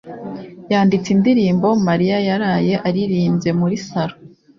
yanditse indirimbo Mariya yaraye aririmbye muri salo